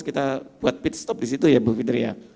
kita buat pitstop di situ ya bu fitri ya